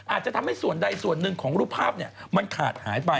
อาจจะทำให้ส่วนใดส่วนหนึ่งของรูปภาพมันขาดหายไป